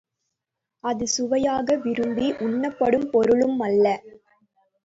அது சுவைக்காக விரும்பி உண்ணப்படும் பொருளும் அல்ல.